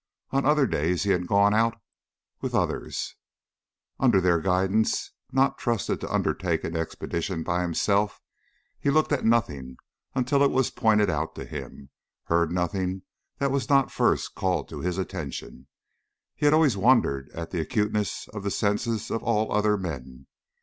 On other days he had gone out with others. Under their guidance, not trusted to undertake an expedition by himself, he looked at nothing until it was pointed out to him, heard nothing that was not first called to his attention. He had always wondered at the acuteness of the senses of all other men.